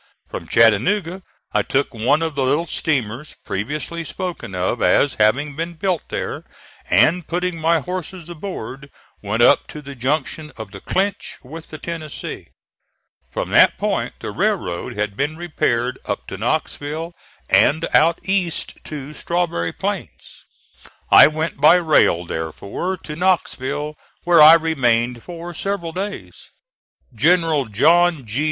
From Chattanooga I took one of the little steamers previously spoken of as having been built there, and, putting my horses aboard, went up to the junction of the Clinch with the Tennessee. From that point the railroad had been repaired up to Knoxville and out east to Strawberry Plains. I went by rail therefore to Knoxville, where I remained for several days. General John G.